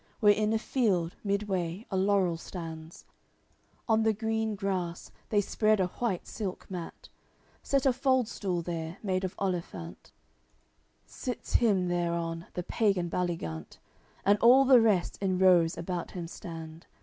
Where in a field, midway, a laurel stands, On the green grass they spread a white silk mat, Set a fald stool there, made of olifant; Sits him thereon the pagan Baligant, And all the rest in rows about him stand.